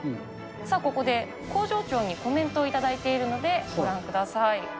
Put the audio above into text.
さあ、ここで工場長にコメント頂いているのでご覧ください。